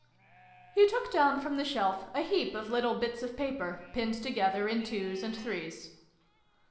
He took down from the shelf a heap of little bits of paper, pinned together in twos and threes.